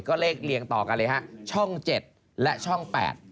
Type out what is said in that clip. ก็เลขเรียงต่อกันเลยฮะช่อง๗และช่อง๘